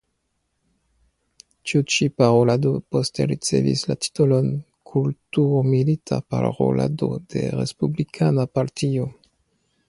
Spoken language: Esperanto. Tiu ĉi parolado poste ricevis la titolon "Kulturmilita Parolado de Respublikana Partio".